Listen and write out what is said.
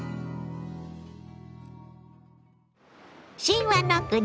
神話の国